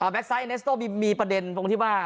แบ็คซ้ายเนสโตร์มีประเด็นพรุ่งที่ว่า